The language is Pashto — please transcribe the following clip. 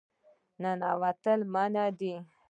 ننوتل منع دي